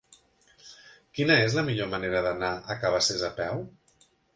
Quina és la millor manera d'anar a Cabacés a peu?